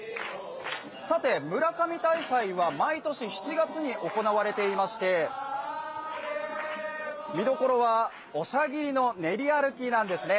村上大祭は毎年７月に行われていまして見どころはおしゃぎりの練り歩きなんですね。